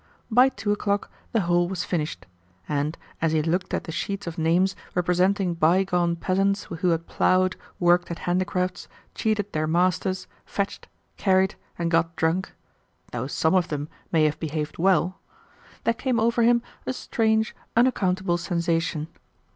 By two o'clock the whole was finished, and as he looked at the sheets of names representing bygone peasants who had ploughed, worked at handicrafts, cheated their masters, fetched, carried, and got drunk (though SOME of them may have behaved well), there came over him a strange, unaccountable sensation.